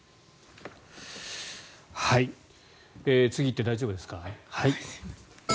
次、行って大丈夫ですか？